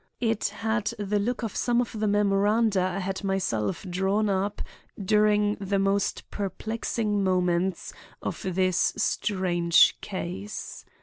It had the look of some of the memoranda I had myself drawn up during the most perplexing moments of this strange case.